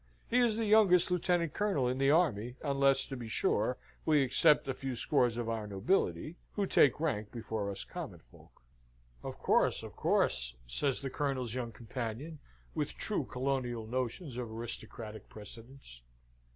He is the youngest lieutenant colonel in the army, unless, to be sure, we except a few scores of our nobility, who take rank before us common folk." "Of course of course!" says the Colonel's young companion with true colonial notions of aristocratic precedence.